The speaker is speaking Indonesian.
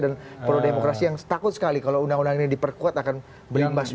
dan pro demokrasi yang takut sekali kalau undang undang ini diperkuat akan berimbas pada itu